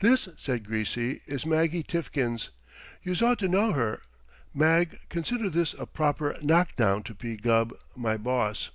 "This," said Greasy, "is Maggie Tiffkins. Youse ought to know her. Mag, consider this a proper knockdown to P. Gubb, my boss."